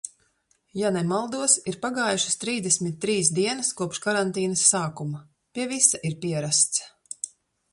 Ja nemaldos, ir pagājušas trīsdesmit trīs dienas kopš karantīnas sākuma, pie visa ir pierasts.